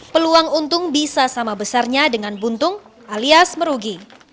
peluang untung bisa sama besarnya dengan buntung alias merugi